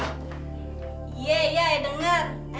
iya iya denger